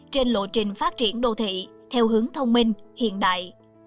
trên lộ trình phát triển đô thị theo hướng thông minh hiện đại